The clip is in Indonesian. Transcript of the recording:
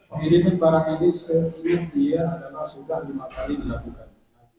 editin barang ini seingin dia adalah sudah lima kali dilakukan